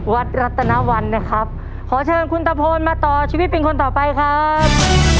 รัฐนวันนะครับขอเชิญคุณตะโพนมาต่อชีวิตเป็นคนต่อไปครับ